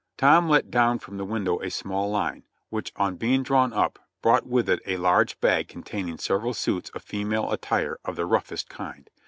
Tom let down from the window a small line, which on being drawn up brought with it a large bag containing several suits of female attire of the roughest kind.